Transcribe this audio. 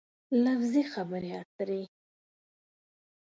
لفظي خبرې اترې